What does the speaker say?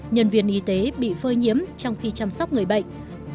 nhân viên y tế bị phơi nhiễm trong khi chăm sóc người bệnh